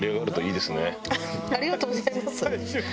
ありがとうございます。